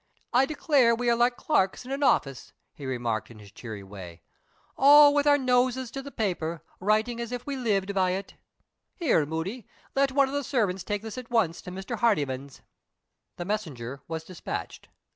"I declare we are like clerks in an office," he remarked, in his cheery way. "All with our noses to the paper, writing as if we lived by it! Here, Moody, let one of the servants take this at once to Mr. Hardyman's." The messenger was despatched.